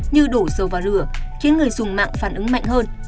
như đổ dầu vào lửa khiến người dùng mạng phản ứng mạnh hơn